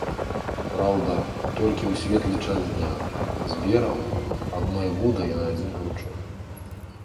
Праўда, толькі ў светлы час дня, з берагу, адной вудай і на адзін кручок.